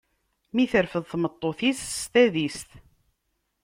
Mi terfed tmeṭṭut-is s tadist.